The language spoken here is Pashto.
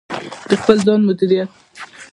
د خپل ځان مدیریت: